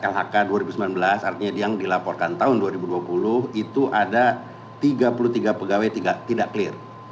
lhk dua ribu sembilan belas artinya yang dilaporkan tahun dua ribu dua puluh itu ada tiga puluh tiga pegawai tidak clear